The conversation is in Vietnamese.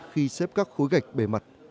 khi xếp các khối gạch bề mặt